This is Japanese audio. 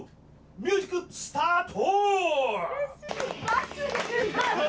ミュージックスタート！